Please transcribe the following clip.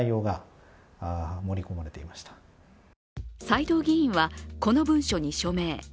斎藤議員は、この文書に署名。